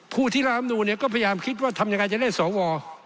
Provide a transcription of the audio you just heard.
ผู้ที่รับนูนเนี่ยก็พยายามคิดว่าทำยังไงจะได้สว